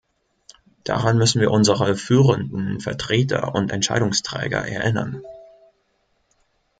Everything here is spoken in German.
Daran müssen wir unsere führenden Vertreter und Entscheidungsträger erinnern.